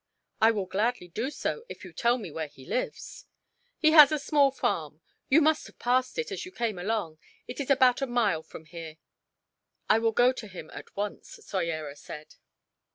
"I will gladly do so, if you will tell me where he lives." "He has a small farm. You must have passed it, as you came along. It is about a mile from here." "I will go to him at once," Soyera said.